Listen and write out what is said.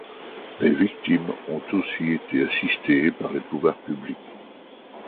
Les victimes ont aussi été assistées par les pouvoirs publics.